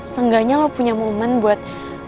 seenggaknya lo punya momen buat